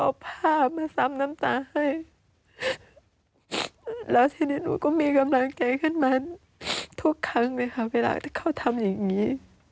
ขึ้นมาทุกครั้งนะครับเวลาเขาทำอย่างนี้